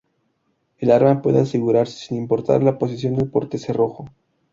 El arma puede asegurarse sin importar la posición del portacerrojo.